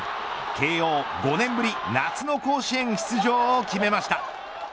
慶応、５年ぶり夏の甲子園出場を決めました。